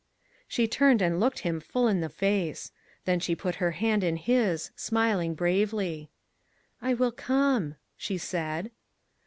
She turned and looked him full in the face. Then she put her hand in his, smiling bravely. "I will come," she said.